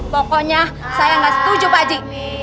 pokoknya saya gak setuju pak haji